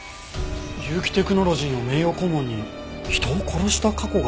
結城テクノロジーの名誉顧問に人を殺した過去があったって事？